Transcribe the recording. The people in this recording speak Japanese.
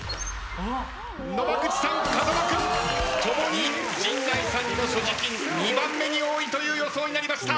野間口さん風間君ともに陣内さんの所持金２番目に多いという予想になりました。